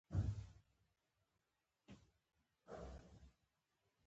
سوداګري و غوړېده.